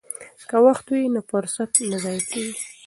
که وخت وي نو فرصت نه ضایع کیږي.